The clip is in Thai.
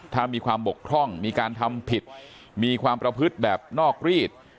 ถ้ามีความบกพร่องมีการทำผิดมีความประพฤติแบบนอกรีด